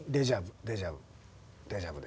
デジャブデジャブ。